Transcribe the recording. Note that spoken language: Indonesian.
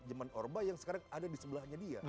jeman orba yang sekarang ada di sebelahnya dia